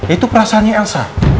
itu perasaannya elsa